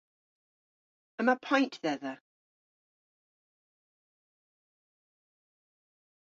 Yma paynt dhedha.